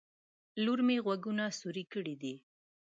لور مې غوږونه سوروي کړي دي